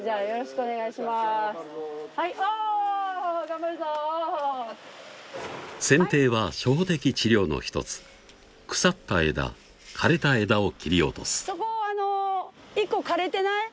頑張るぞ剪定は初歩的治療の一つ腐った枝枯れた枝を切り落とすそこあの１個枯れてない？